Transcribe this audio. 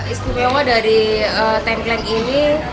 istimewa dari tengkleng ini